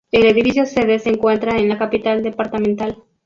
El edificio sede se encuentra en la capital departamental.